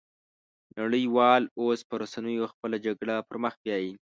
نړۍ وال اوس په رسنيو خپله جګړه پرمخ بيايي